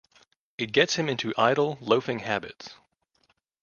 It gets him into idle, loafing habits.